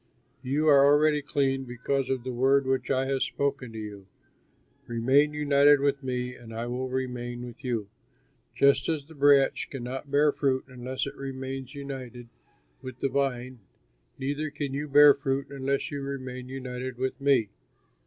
You are already clean because of the word which I have spoken to you. Remain united with me and I will remain with you. Just as the branch cannot bear fruit unless it remains united with the vine, neither can you bear fruit unless you remain united with me.